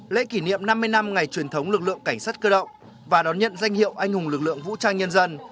lễ kỷ niệm năm mươi năm ngày truyền thống lực lượng cảnh sát cơ động và đón nhận danh hiệu anh hùng lực lượng vũ trang nhân dân